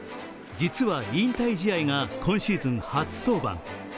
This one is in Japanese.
実は引退試合が今シーズン初登板。